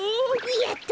やった！